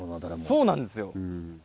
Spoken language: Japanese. そうなんですよ。